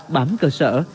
bám cơ sở